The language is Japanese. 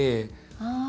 ああ。